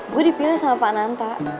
gue dipilih sama pak nanta